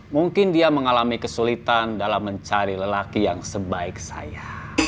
mungkin dia mengalami kesulitan dalam mencari lelaki yang sebaik saya